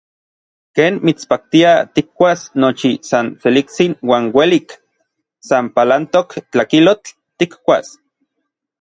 Ken mitspaktia tikkuas nochi san seliktsin uan uelik, san palantok tlakilotl tikkuas.